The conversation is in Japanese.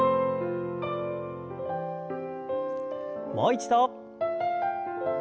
もう一度。